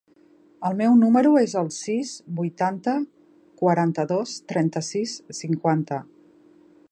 El meu número es el sis, vuitanta, quaranta-dos, trenta-sis, cinquanta.